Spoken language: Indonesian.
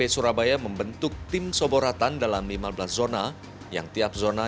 karena anti cuna typhoon seperti ini masih masih sangat dekat